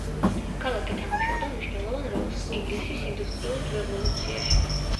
ქალაქი თამაშობდა მნიშვნელოვან როლს ინგლისის ინდუსტრიულ რევოლუციაში.